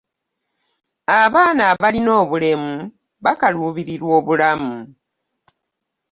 Abaana abalina obulemu bakalubiririrwa obulamu.